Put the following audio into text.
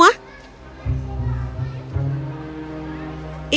bukankah dia selalu menjadi siswi pekerja keras dan teman sekelas yang baik